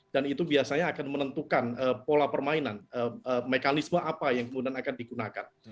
dan itu biasanya akan menentukan pola permainan mekanisme apa yang kemudian akan digunakan